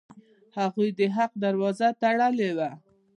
هغوی د حق دروازه تړلې وه.